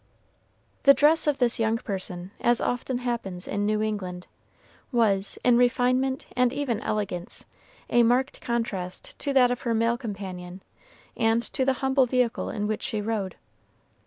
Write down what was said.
The dress of this young person, as often happens in New England, was, in refinement and even elegance, a marked contrast to that of her male companion and to the humble vehicle in which she rode.